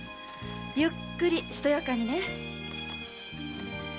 ゆっくりしとやかにね。